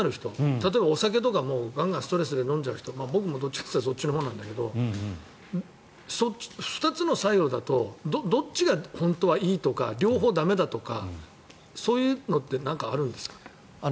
例えばお酒とかもガンガンストレスで飲んじゃう人僕もどっちかというとそうだけど２つの作用だとどっちが本当はいいとか両方駄目だとか、そういうのってなんかあるんですか？